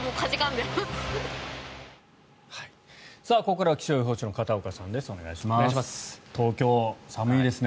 ここからは気象予報士の片岡さんです。